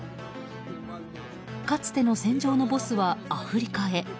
かつての戦場のボスはアフリカへ。